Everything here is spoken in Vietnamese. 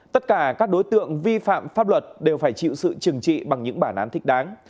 tất cả các đối tượng vi phạm pháp luật đều phải chịu sự trừng trị bằng những bản án thích đáng